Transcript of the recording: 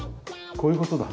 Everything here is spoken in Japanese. こういう事だ。